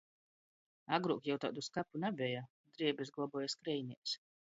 Agruok jau taidu skapu nabeja, drēbis globuoja skreinēs.